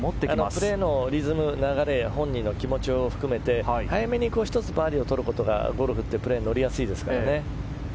プレーのリズムの中で本人の気持ちを含め早めに１つバーディーをとることがゴルフってプレーが乗りやすいですからね。